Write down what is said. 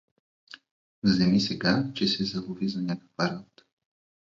Вземи сега, че се залови за някаква работа.